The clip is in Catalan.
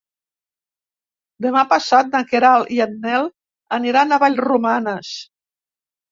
Demà passat na Queralt i en Nel aniran a Vallromanes.